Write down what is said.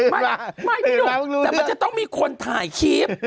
ไม่นี่เดี๋ยวแต่มันจะต้องมีคนถ่ายคลิป